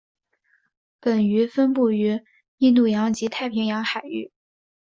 本鱼分布于印度洋及太平洋海域。